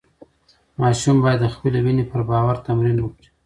ماشوم باید د خپلې وینې پر باور تمرین وکړي.